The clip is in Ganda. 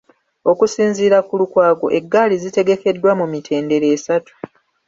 Okusinziira ku Lukwago eggaali zitegekeddwa mu mitendera esatu .